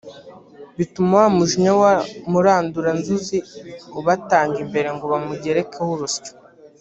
bituma wa mujinya murandura-nzuzi ubatanga imbere ngo bamugerekeho urusyo